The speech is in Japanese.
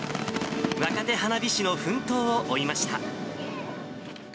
若手花火師の奮闘を追いました。